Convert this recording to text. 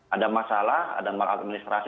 ada masalah ada maladministrasi